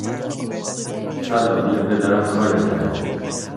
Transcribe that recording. طلا بیا پدرم کارت داره